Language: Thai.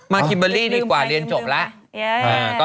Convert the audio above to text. คิมเบอร์รี่ดีกว่าเรียนจบแล้ว